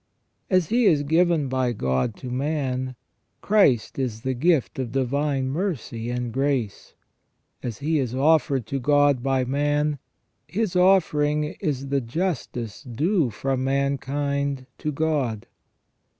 As He is given by God to man, Christ is the gift of divine mercy and grace ; as He is offered to God by man. His offering is the justice due from mankind to God.